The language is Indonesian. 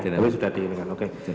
tapi sudah di ini kan oke